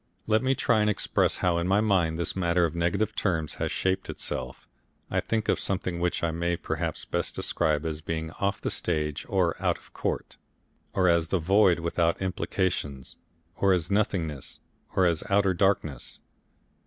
Let me try and express how in my mind this matter of negative terms has shaped itself. I think of something which I may perhaps best describe as being off the stage or out of court, or as the Void without Implications, or as Nothingness or as Outer Darkness.